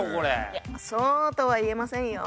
いやそうとは言えませんよ。